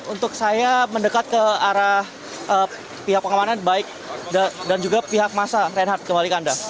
untuk saya mendekat ke arah pihak pengamanan baik dan juga pihak massa reinhardt kembali ke anda